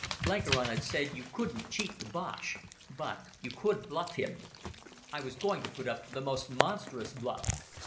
Blenkiron had said you couldn't cheat the Boche, but you could bluff him. I was going to put up the most monstrous bluff.